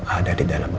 ada di dalam sel